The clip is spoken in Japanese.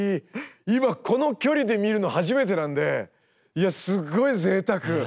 今この距離で見るの初めてなんでいやすごい贅沢！